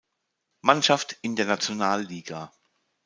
Mannschaft in der Nationalliga.